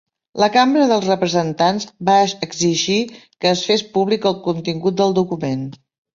La Cambra dels Representants va exigir que es fes públic el contingut del document.